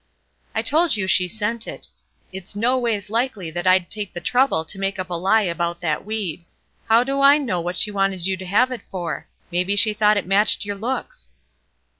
"I told you she sent it. It's noways likely that I'd take the trouble to make up a lie about that weed. How do I know what she wanted you to have it for? Maybe she thought it matched your looks."